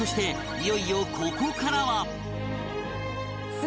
いよいよここからは